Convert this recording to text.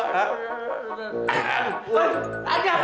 aduh apa ini aku kan